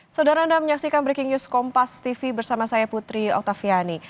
saudara anda menyaksikan breaking news kompas tv bersama saya putri oktaviani